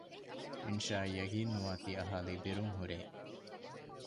އިންޝާއަށް ޔަޤީންނުވާތީ އަހާލީ ބިރުން ހުރޭ